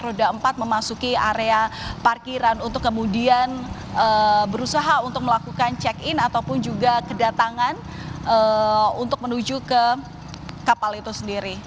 roda empat memasuki area parkiran untuk kemudian berusaha untuk melakukan check in ataupun juga kedatangan untuk menuju ke kapal itu sendiri